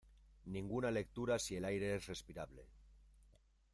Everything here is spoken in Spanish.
Ninguna lectura si el aire es respirable.